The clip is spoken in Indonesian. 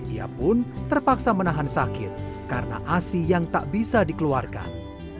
ia pun terpaksa menahan sakit karena asi yang tak bisa dikeluarkan